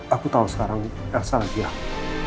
aku tahu sekarang elsa lagi aku